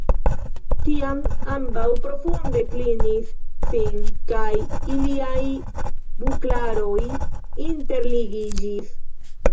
Tiam ambaŭ profunde klinis sin, kaj iliaj buklaroj interligiĝis.